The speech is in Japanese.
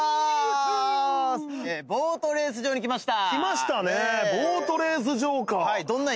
ボートレース場に来ました。